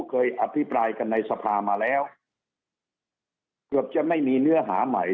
อภิปรายกันในสภามาแล้วเกือบจะไม่มีเนื้อหาใหม่